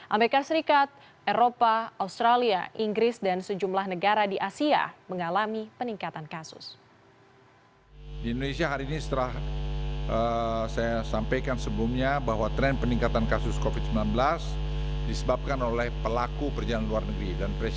amerika serikat eropa australia inggris dan sejumlah negara di asia mengalami peningkatan kasus